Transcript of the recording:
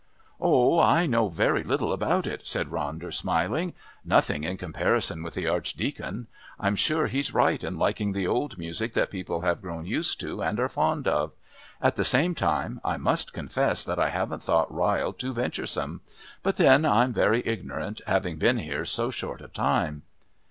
"Oh, I know very little about it," said Ronder, smiling. '"Nothing in comparison with the Archdeacon. I'm sure he's right in liking the old music that people have grown used to and are fond of. At the same time, I must confess that I haven't thought Ryle too venturesome. But then I'm very ignorant, having been here so short a time."